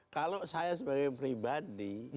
kalau saya sebagai pribadi